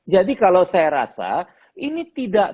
jadi kalau saya rasa ini tidak